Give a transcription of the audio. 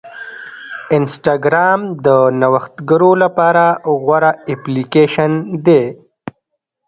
انسټاګرام د نوښتګرو لپاره غوره اپلیکیشن دی.